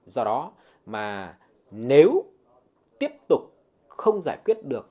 do đó mà nếu tiếp tục không giải quyết được